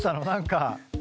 何か。